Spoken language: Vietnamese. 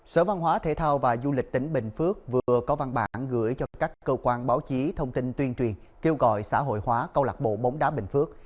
sở văn hóa thể thao và du lịch tỉnh bình phước vừa có văn bản gửi cho các cơ quan báo chí thông tin tuyên truyền kêu gọi xã hội hóa câu lạc bộ bóng đá bình phước